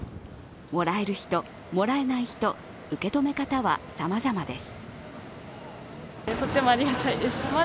もらえる人、もらえない人受け止め方はさまざまです。